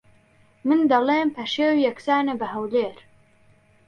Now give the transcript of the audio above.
من دەڵێم پەشێو یەکسانە بە ھەولێر